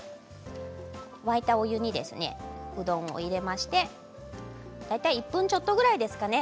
沸いたお湯にうどんを入れまして大体１分ちょっとぐらいですかね。